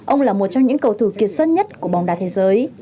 ông là một trong những cầu thủ kiệt xuất nhất của bóng đá thế giới